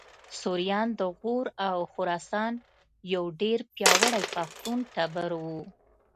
سوریان د غور او خراسان یو ډېر پیاوړی پښتون ټبر و